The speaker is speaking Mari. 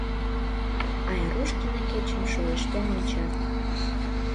Айрушкина кечым шойыштен онча.